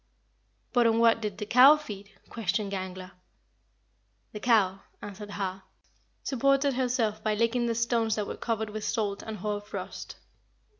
"But on what did the cow feed?" questioned Gangler. "The cow," answered Har, "supported herself by licking the stones that were covered with salt and hoar frost.